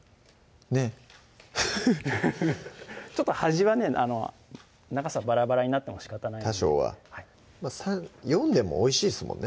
ねっちょっと端はね長さバラバラになってもしかたない多少はまぁ４でもおいしいですもんね